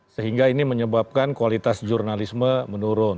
sehingga ini menyebabkan kualitas jurnalisme menurun